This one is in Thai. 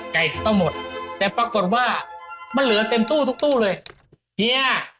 ไก่ต้องหมดแต่ปรากฏว่ามันเหลือเต็มตู้ทุกเลย